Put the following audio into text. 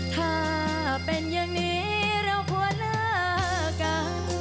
ถ้าเป็นอย่างนี้เราควรหน้ากัน